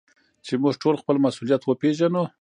چي موږ ټول خپل مسؤليت وپېژنو.